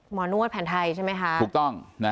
หมอนวดแผนไทยใช่ไหมคะ